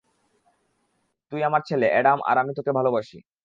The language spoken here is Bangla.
তুই আমার ছেলে, অ্যাডাম, আর আমি তোকে ভালোবাসি।